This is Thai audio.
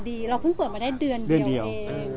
เราเพิ่งเปิดมาได้เดือนเดียวเอง